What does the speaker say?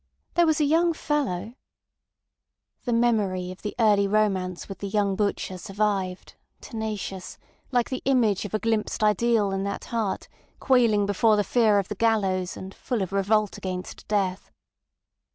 There was a young fellow—" The memory of the early romance with the young butcher survived, tenacious, like the image of a glimpsed ideal in that heart quailing before the fear of the gallows and full of revolt against death.